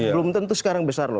belum tentu sekarang besar loh